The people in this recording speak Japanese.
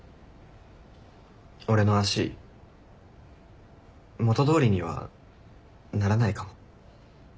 俺の足元通りにはならないかも。